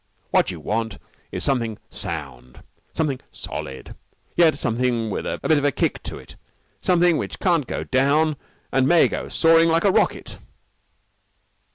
What you want is something sound, something solid, yet something with a bit of a kick to it, something which can't go down and may go soaring like a rocket."